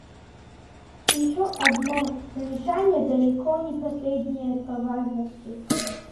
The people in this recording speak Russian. И еще одно замечание, далеко не последнее по важности.